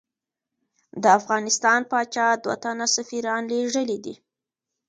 د افغانستان پاچا دوه تنه سفیران لېږلی دي.